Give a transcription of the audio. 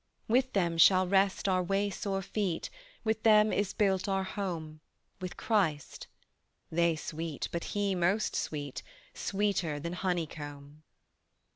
"With them shall rest our waysore feet, With them is built our home, With Christ." "They sweet, but He most sweet, Sweeter than honeycomb."